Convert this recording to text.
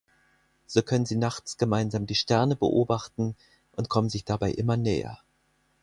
So können sie nachts gemeinsam die Sterne beobachten und kommen sich dabei immer näher.